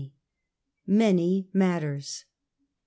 MANY MATTERS.